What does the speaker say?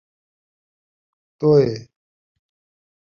ط